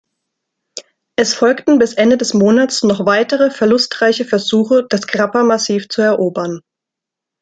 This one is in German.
Es folgten bis Ende des Monats noch weitere verlustreiche Versuche, das Grappa-Massiv zu erobern.